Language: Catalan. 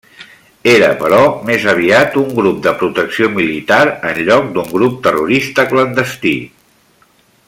Era, però, més aviat un grup de protecció militar en lloc d'un grup terrorista clandestí.